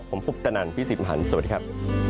ผมภุตนันพี่สิบหันสวัสดีครับ